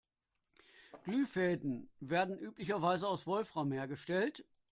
Glühfäden werden üblicherweise aus Wolfram hergestellt.